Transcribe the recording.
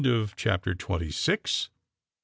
CHAPTER TWENTY SEVEN.